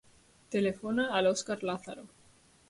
Telefona a l'Òscar Lazaro.